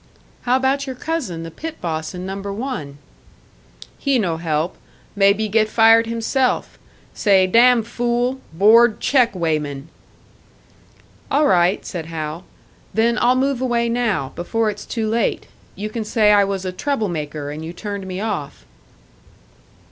"But how about your cousin, the pit boss in Number One?" "He no help. May be get fired himself. Say damn fool board check weighman!" "All right," said Hal. "Then I'll move away now, before it's too late. You can say I was a trouble maker, and you turned me off."